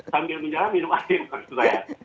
sambil menjalan minum air maksud saya